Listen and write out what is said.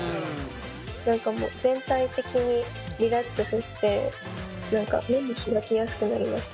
何かもう全体的にリラックスして目も開きやすくなりました。